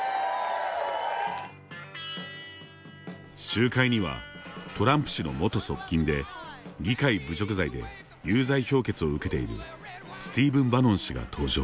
集会にはトランプ氏の元側近で議会侮辱罪で有罪判決を受けているスティーブン・バノン氏が登場。